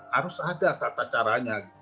harus ada tata caranya